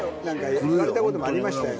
言われたこともありましたよ。